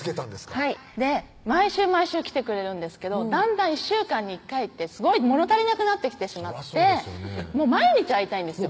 はい毎週毎週来てくれるんですけどだんだん１週間に１回ってすごいもの足りなくなってきてしまって毎日会いたいんですよ